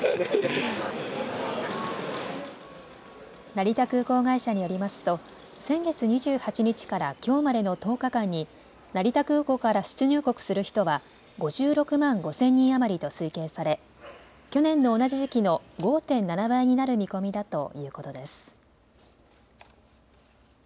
成田空港会社によりますと先月２８日からきょうまでの１０日間に成田空港から出入国する人は５６万５０００人余りと推計され去年の同じ時期の５．７倍になる見込みだということです。